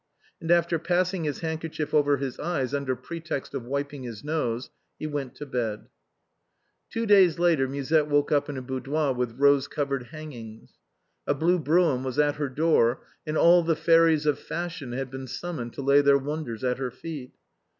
And after passing his handkerchief over his eyes under pretext of wiping his nose, he went to bed. Two days later Musette woke up in a boudoir with rose covered hangings. A blue brougham was at her door, and all the fairies of fashion had been summoned to lay their wonders at her feet.